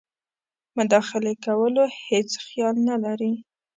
مداخلې کولو هیڅ خیال نه لري.